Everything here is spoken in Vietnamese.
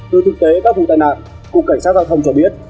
từ thực tế các vụ tai nạn cục cảnh sát giao thông cho biết